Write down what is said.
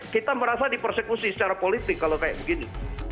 kita merasa dipersekusi secara politik kalau kayak begini